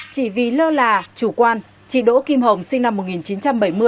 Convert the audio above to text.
chỉ vì lơ là chủ quan chị đỗ kim hồng sinh năm một nghìn chín trăm bảy mươi